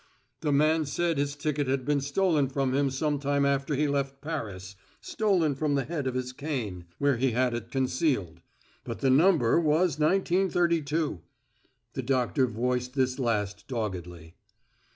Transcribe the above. "The man said his ticket had been stolen from him some time after he left Paris stolen from the head of his cane, where he had it concealed. But the number was nineteen thirty two." The doctor voiced this last doggedly.